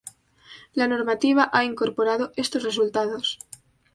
La normativa ha incorporado estos resultados.